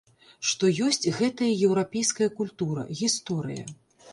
Што ёсць гэтая еўрапейская культура, гісторыя.